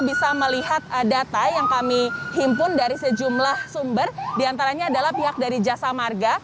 bisa melihat data yang kami himpun dari sejumlah sumber diantaranya adalah pihak dari jasa marga